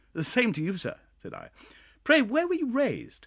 "The same to you, sir," said I. "Pray, where were you raised?"